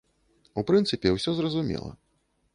У прынцыпе, усё зразумела.